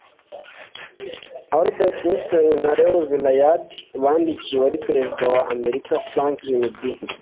Albert Einstein na Léo Szilard bandikiye uwari perezida wa Amerika Franklin D